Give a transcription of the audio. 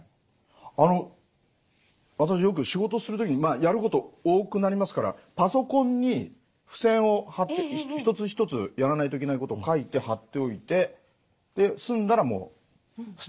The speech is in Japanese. あの私よく仕事する時にやること多くなりますからパソコンに付箋を貼って一つ一つやらないといけないことを書いて貼っておいてで済んだらもう捨てるみたいな。